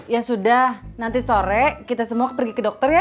ya sudah nanti sore kita semua pergi ke dokter ya